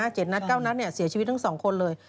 เจ็ดนัดเก้านัดเนี่ยเสียชีวิตทั้งสองคนเลย